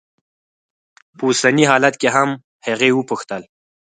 په اوسني حالت کې هم؟ هغې وپوښتل.